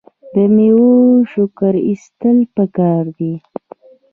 د میوو شکر ایستل پکار دي.